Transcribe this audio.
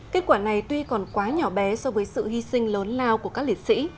kết quả này tuy còn quá nhỏ bé so với sự hy sinh lớn lao của các liệt sĩ